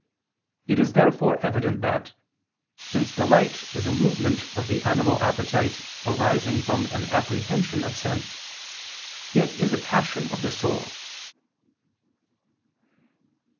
It is therefore evident that, since delight is a movement of the animal appetite arising from an apprehension of sense, it is a passion of the soul.